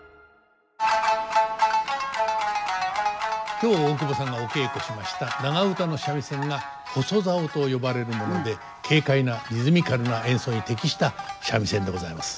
今日大久保さんがお稽古しました長唄の三味線が細棹と呼ばれるもので軽快なリズミカルな演奏に適した三味線でございます。